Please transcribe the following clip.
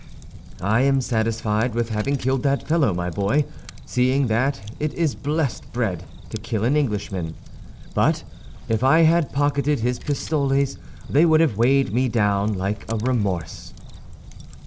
"I am satisfied with having killed that fellow, my boy, seeing that it is blessed bread to kill an Englishman; but if I had pocketed his pistoles, they would have weighed me down like a remorse."